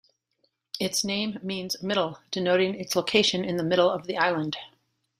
Its name means "middle," denoting its location in the middle of the island.